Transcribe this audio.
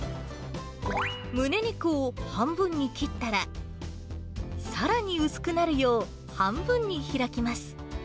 むね肉を半分に切ったら、さらに薄くなるよう半分に開きます。